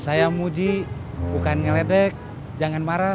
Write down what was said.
saya muji bukan ngeledek jangan marah